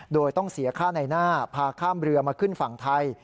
โดยต้องเสียค่าในหน้าพาข้ามเรือมาขึ้นฝั่งไทย